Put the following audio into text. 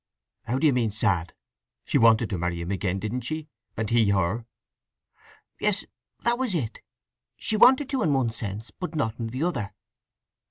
"How do you mean sad? She wanted to marry him again, didn't she? And he her!" "Yes—that was it. She wanted to in one sense, but not in the other.